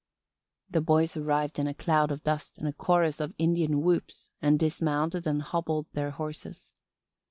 The boys arrived in a cloud of dust and a chorus of Indian whoops and dismounted and hobbled their horses.